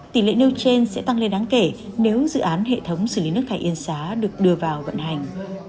tỷ lệ nêu trên sẽ tăng lên đáng kể nếu dự án hệ thống xử lý nước thải yên xá được đưa vào vận hành